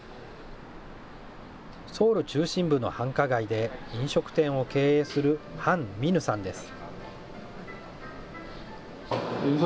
ソウル中心部の繁華街で、飲食店を経営する、ハン・ミヌさんです。